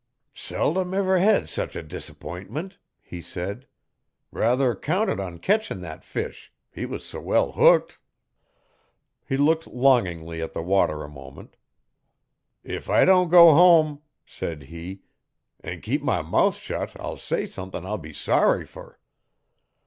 'Seldom ever hed sech a disapp'intment,' he said. 'Ruther counted on ketchin' thet fish he was s' well hooked.' He looked longingly at the water a moment 'If I don't go hum,' said he, 'an' keep my mouth shet I'll say sumthin' I'll be sorry fer.'